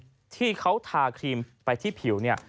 ที่เขาทาครีมไปที่ผิวเนี่ย